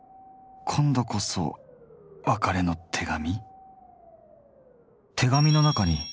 今度こそ別れの手紙？